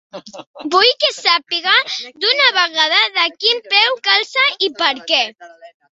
Vull que sàpiga d'una vegada de quin peu calça i per què.